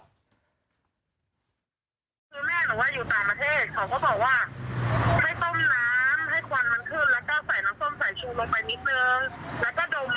แค่มันเข้าไปในสมุกคือพวกสอมแดงพวกไรอย่างนี้